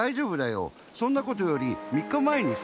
そんなことよりみっかまえにさ。